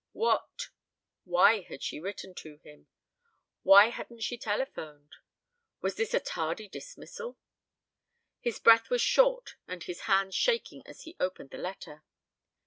What why had she written to him? Why hadn't she telephoned? Was this a tardy dismissal? His breath was short and his hands shaking as he opened the letter.